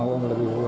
selama lebih bulan